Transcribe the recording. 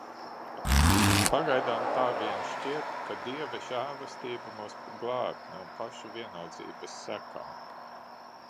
Pagaidām tā vien šķiet, ka Dieva žēlastība mūs glābj no pašu vienaldzības sekām.